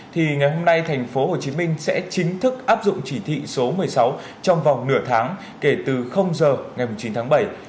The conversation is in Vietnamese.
thì ngày hôm nay tp hcm sẽ chính thức áp dụng chỉ thị số một mươi sáu trong vòng nửa tháng kể từ giờ ngày chín tháng bảy